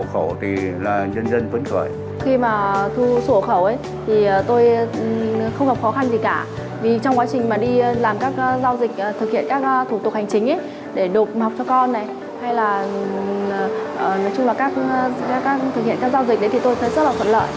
hay là nói chung là thực hiện các giao dịch thì tôi thấy rất là phận lợi